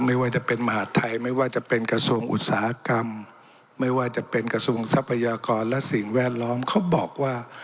ไม่ว่าจะเป็นมหาดไทยไม่ว่าจะเป็นกระทรวงอุตสาหกรรมไม่ว่าจะเป็นกระทรวงทรัพยากรและสิ่งแวดล้อมเขาบอกว่า